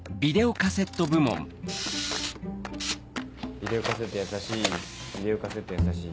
ビデオカセットやさしいビデオカセットやさしい。